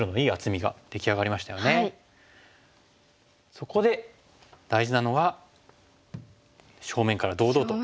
そこで大事なのは正面から堂々と戦おうと。